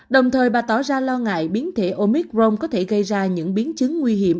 đồng thời bà tỏ ra lo ngại biến thể omicron có thể gây ra những biến chứng nguy hiểm